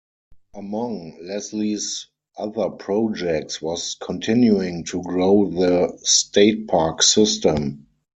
Among Leslie's other projects was continuing to grow the state park system.